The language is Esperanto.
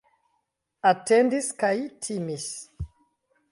Atendis kaj timis.